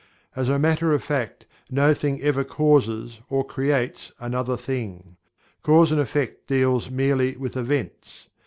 As a matter of fact, no "thing" ever causes or "creates" another "thing." Cause and Effect deals merely with "events."